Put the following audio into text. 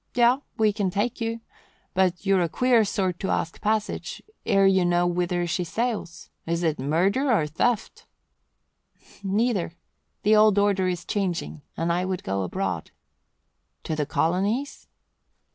Yea, we can take you, but you're a queer sort to ask passage ere you know whither she sails. Is it murder or theft?" "Neither. The old order is changing and I would go abroad." "To the colonies?"